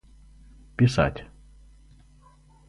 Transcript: писать